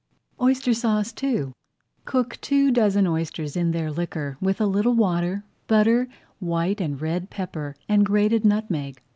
OYSTER SAUCE II Cook two dozen oysters in their liquor with a little water, butter, white and red pepper, and grated nutmeg.